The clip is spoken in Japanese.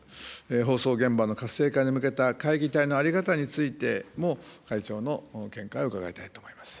放送現場の活性化に向けた会議体の在り方についても、会長の見解を伺いたいと思います。